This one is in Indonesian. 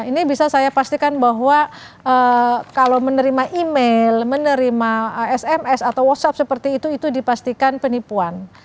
ini bisa saya pastikan bahwa kalau menerima email menerima sms atau whatsapp seperti itu itu dipastikan penipuan